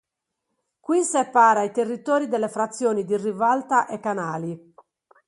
Qui separa i territori delle frazioni di Rivalta e Canali.